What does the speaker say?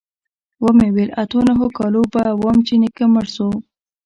ومې ويل د اتو نهو کالو به وم چې نيکه مړ سو.